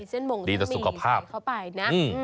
มีเส้นบงค์ซะมิวใส่เข้าไปนะ